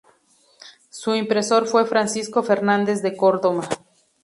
Su impresor fue Francisco Fernández de Córdoba.